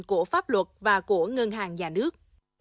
của pháp luật và của ngân hàng nhà nước